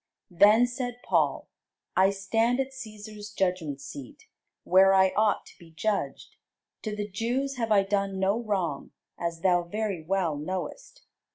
Then said Paul, I stand at Cæsar's judgment seat, where I ought to be judged: to the Jews have I done no wrong, as thou very well knowest.